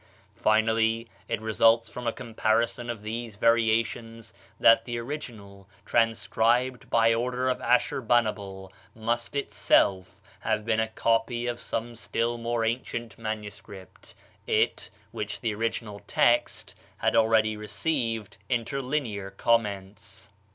Finally, it results from a comparison of these variations, that the original, transcribed by order of Asshurbanabal, must itself have been a copy of some still more ancient manuscript, it, which the original text had already received interlinear comments.